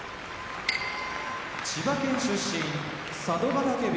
千葉県出身佐渡ヶ嶽部屋